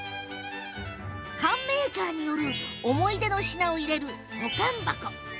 缶メーカーによる思い出の品を入れる保管箱